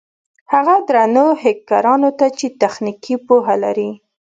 هغو درنو هېکرانو ته چې تخنيکي پوهه لري.